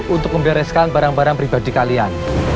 untuk membereskan barang barang pribadi kalian